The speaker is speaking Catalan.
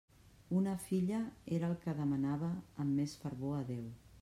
Una filla era el que demanava amb més fervor a Déu.